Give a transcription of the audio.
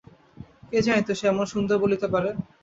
কে জানিত সে এমন সুন্দর বলিতে পারে।